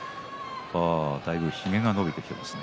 だいぶ、ひげが伸びてきました。